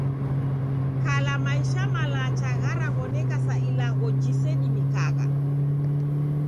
Kala maisha malacha gharaw'oneka sa ilagho jisedimikagha.